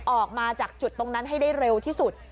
ออกมาจากจุดตรงนั้นให้ได้เร็วที่สุด